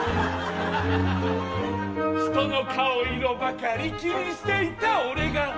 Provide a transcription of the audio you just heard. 「人の顔色ばかり気にしていた俺が」